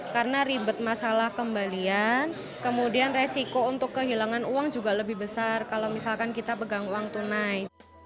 karena ribet masalah kembalian kemudian resiko untuk kehilangan uang juga lebih besar kalau misalkan kita pegang uang tunai